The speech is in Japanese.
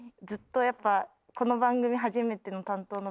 ずっとやっぱこの番組。ちゃんと。